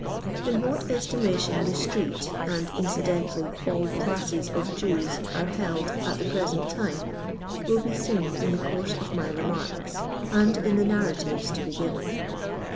In what estimation the street, and, incidentally, all classes of Jews are held at the present time, will be seen in the course of my remarks ; and in the narratives to be given.